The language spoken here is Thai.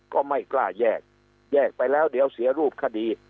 ก็ไม่กล้าแยกแยกไปแล้วเดี๋ยวเสียรูปคดี